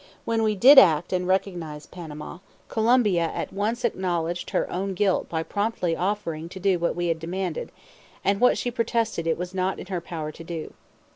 When we did act and recognize Panama, Colombia at once acknowledged her own guilt by promptly offering to do what we had demanded, and what she had protested it was not in her power to do.